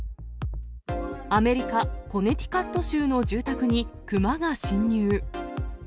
アメリカ・コネティカット州の住宅に熊が侵入。